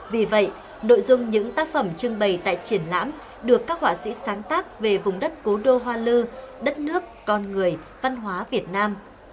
vì vậy nội dung những tác phẩm trưng bày tại triển lãm được các họa sĩ sáng tác về vùng đất cố đô hoa lư đất nước con người văn hóa việt nam